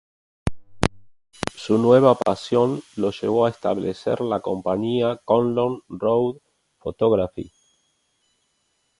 Su nueva pasión lo llevó a establecer la compañía Conlon Road Photography.